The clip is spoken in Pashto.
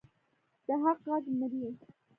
د حق غږ مري؟